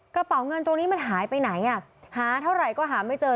กระเป๋าเงินตรงนี้มันหายไปไหนอ่ะหาเท่าไหร่ก็หาไม่เจอ